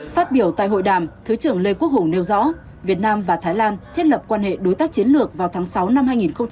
phát biểu tại hội đàm thứ trưởng lê quốc hùng nêu rõ việt nam và thái lan thiết lập quan hệ đối tác chiến lược vào tháng sáu năm hai nghìn hai mươi ba